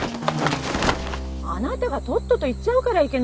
あなたがとっとと行っちゃうからいけないのよ！